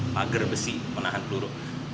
pager besi menahan peluru